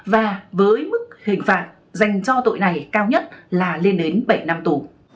và với mức hình phạt dành cho tội này cao nhất là lên đến bảy năm tù